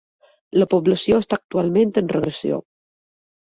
La població està actualment en regressió.